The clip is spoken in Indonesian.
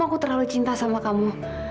aku terlalu cinta sama kamu